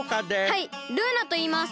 はいルーナといいます。